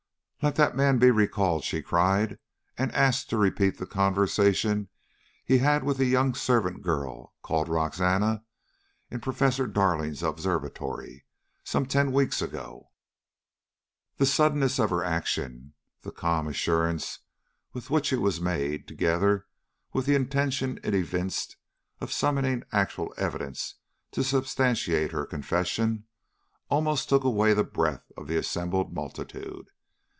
"Let that man be recalled," she cried, "and asked to repeat the conversation he had with a young servant girl called Roxana, in Professor Darling's observatory some ten weeks ago." The suddenness of her action, the calm assurance with which it was made, together with the intention it evinced of summoning actual evidence to substantiate her confession, almost took away the breath of the assembled multitude.